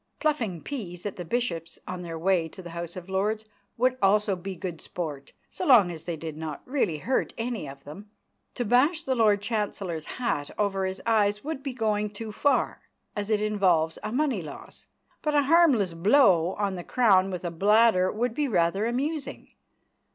Pluffing peas at the bishops on their way to the House of Lords would also be good sport, so long as they did not really hurt any of them. To bash the Lord Chancellor's hat over his eyes would be going too far, as it involves a money loss, but a harmless blow on the crown with a bladder would be rather amusing.